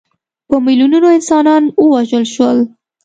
په میلیونونو انسانان ووژل شول.